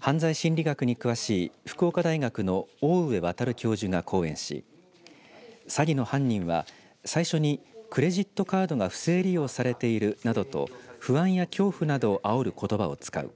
犯罪心理学に詳しい福岡大学の大上渉教授が講演し詐欺の犯人は最初にクレジットカードが不正利用されているなどと不安や恐怖などをあおることばを使う。